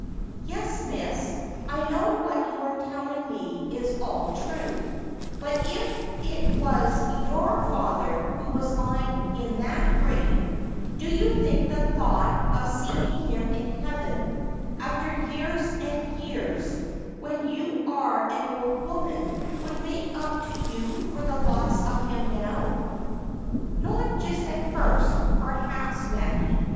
' Yes, miss, I know what you are telling me is all true — but, if it was your father who was lying in that grave, do you think the thought of seeing him in heaven — after years and years —• when you are an old woman, would make up to you for the loss of him now V ' Not just at first, perhaps, Mattie.